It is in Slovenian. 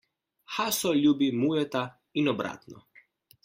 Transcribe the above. Haso ljubi Mujota in obratno.